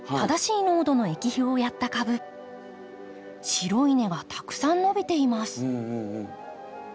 白い根はたくさん伸びています。